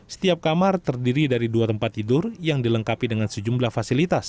setiap kamar terdiri dari dua tempat tidur yang dilengkapi dengan sejumlah fasilitas